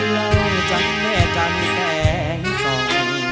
เราจะแม่จันแสงสอน